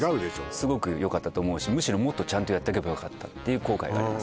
すごくよかったと思うしむしろもっとちゃんとやっとけばよかったっていう後悔があります